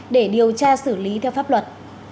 để điều tra xử lý theo pháp luật